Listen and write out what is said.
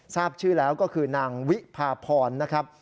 ทราบชื่อแล้วก็คือนางวิพาพรนะครับ